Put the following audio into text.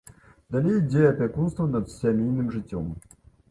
Далей ідзе апякунства над сямейным жыццём.